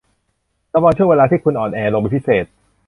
ระวังช่วงเวลาที่คุณอ่อนแอลงเป็นพิเศษ